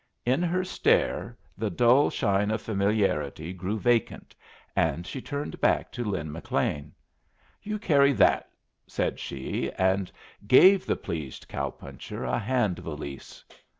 In her stare the dull shine of familiarity grew vacant, and she turned back to Lin McLean. "You carry that," said she, and gave the pleased cow puncher a hand valise.